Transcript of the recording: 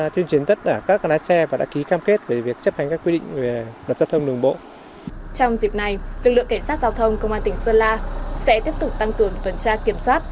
trong dịp này lực lượng cảnh sát giao thông công an tỉnh sơn la sẽ tiếp tục tăng cường tuần tra kiểm soát